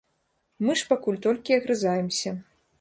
Мы ж пакуль толькі агрызаемся.